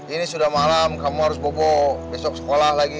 ini sudah malam kamu harus bobo besok sekolah lagi